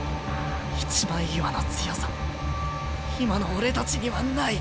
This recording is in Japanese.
一枚岩の強さ今の俺たちにはない。